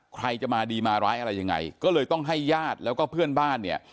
ใครจะมาดีมาร้ายอะไรยังไงก็เลยต้องให้ญาติแล้วก็เพื่อนบ้านเนี่ย